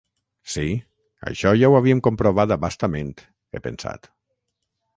Sí, això ja ho havíem comprovat a bastament, he pensat.